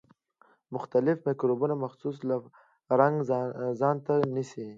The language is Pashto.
مختلف مکروبونه مخصوص رنګ ځانته نیسي.